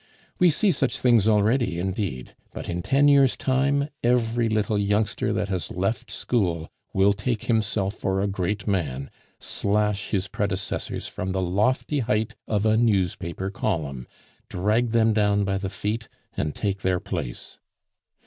We see such things already indeed, but in ten years' time every little youngster that has left school will take himself for a great man, slash his predecessors from the lofty height of a newspaper column, drag them down by the feet, and take their place.